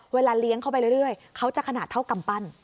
เลี้ยงเข้าไปเรื่อยเขาจะขนาดเท่ากำปั้น